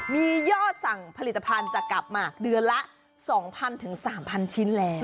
มียอดสั่งผลิตภัณฑ์จะกลับมาเดือนละ๒๐๐๓๐๐ชิ้นแล้ว